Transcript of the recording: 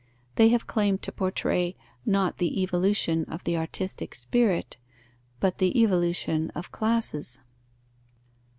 They have claimed to portray, not the evolution of the artistic spirit, but the evolution of classes.